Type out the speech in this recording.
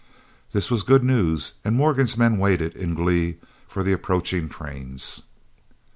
This was good news, and Morgan's men waited, in glee, for the approaching trains.